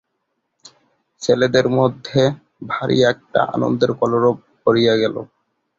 ছেলেদের মধ্যে ভারি একটা আনন্দের কলরব পড়িয়া গেল।